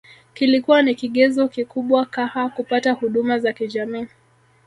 Kilikua ni kigezo kikubwa caha kupata huduma za kijamii